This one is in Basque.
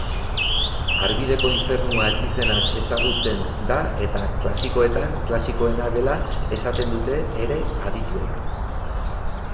Harbideko infernua ezizenaz ezagutzen da eta klasikoetan klasikoena dela esaten dute ere adituek.